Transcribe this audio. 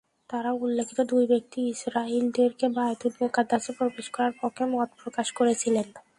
তারা উল্লেখিত দুই ব্যক্তি ইসরাঈলদেরকে বায়তুল মুকাদ্দাসে প্রবেশ করার পক্ষে মত প্রকাশ করেছিলেন।